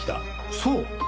そう！